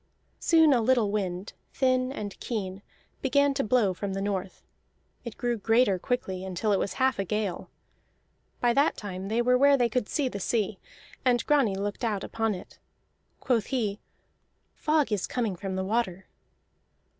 Soon a little wind, thin and keen, began to blow from the north; it grew greater quickly until it was half a gale. By that time they were where they could see the sea, and Grani looked out upon it. Quoth he: "Fog is coming from the water."